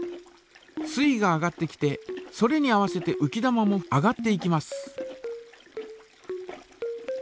水位が上がってきてそれに合わせてうき玉も上がっていきます。